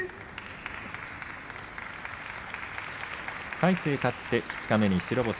魁聖勝って二日目に白星。